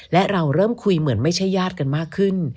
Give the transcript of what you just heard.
และเราเริ่มคุยเหมือนไม่ใช่ญาติกันมากขึ้น